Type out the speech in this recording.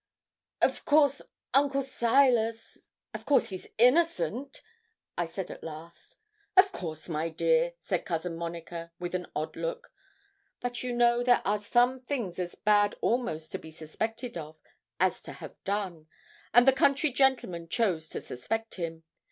Of course, Uncle Silas of course, he's innocent?' I said at last. 'Of course, my dear,' said Cousin Monica, with an odd look; 'but you know there are some things as bad almost to be suspected of as to have done, and the country gentlemen chose to suspect him.